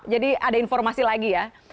jadi ada informasi lagi ya